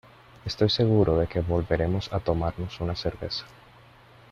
estoy seguro de que volveremos a tomarnos una cerveza